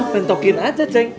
pentokin aja ceng